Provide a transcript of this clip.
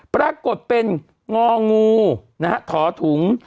ปรากฏเป็นงงทท๕๕๘๗